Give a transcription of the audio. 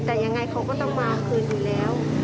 แต่ยังไงเขาก็ต้องมาเอาคืนอยู่แล้ว